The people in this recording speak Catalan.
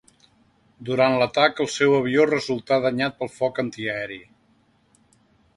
Durant l'atac el seu avió resultà danyat pel foc antiaeri.